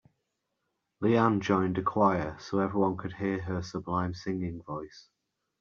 Leanne joined a choir so everyone could hear her sublime singing voice.